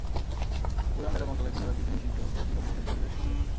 পুরান ঢাকার বংশালে তিন হাজার কেজি নিষিদ্ধ পলিথিন জব্দ করেছে পরিবেশ অধিদপ্তর।